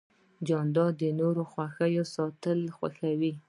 جانداد د نورو خوښ ساتل خوښوي.